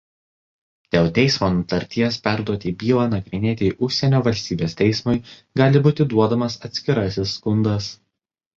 Dėl teismo nutarties perduoti bylą nagrinėti užsienio valstybės teismui gali būti duodamas atskirasis skundas.